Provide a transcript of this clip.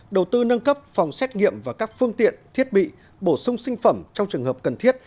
đầu tư nâng cấp phòng xét nghiệm và các phương tiện thiết bị bổ sung sinh phẩm trong trường hợp cần thiết